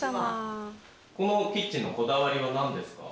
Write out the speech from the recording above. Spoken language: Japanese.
このキッチンのこだわりは何ですか？